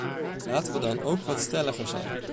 Laten we dan ook wat stelliger zijn.